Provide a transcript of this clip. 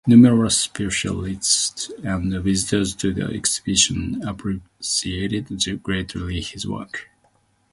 Numerous specialists and visitors to the exhibition appreciated greatly his work.